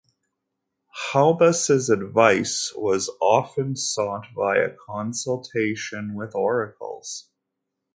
Haubas's advice was often sought via consultation with oracles.